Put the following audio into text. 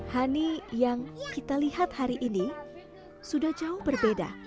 honey yang kita lihat hari ini sudah jauh berbeda